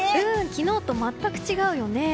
昨日と全く違うよね。